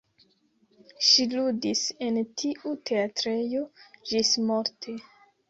Ŝi ludis en tiu teatrejo ĝismorte.